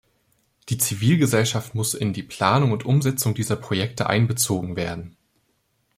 Die Zivilgesellschaft muss in die Planung und Umsetzung dieser Projekte einbezogen werden.